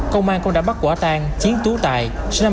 công an cũng đã bắt quả tang chiến tú tài